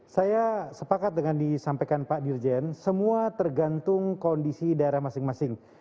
saya sepakat dengan disampaikan pak dirjen semua tergantung kondisi daerah masing masing